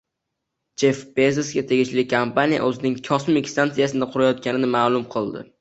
Jeff Bezosga tegishli kompaniya o‘zining kosmik stansiyasini qurayotganini ma’lum qildi